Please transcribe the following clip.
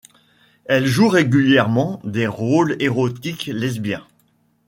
Elle joue régulièrement des rôles érotiques lesbiens.